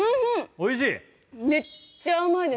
おいしい？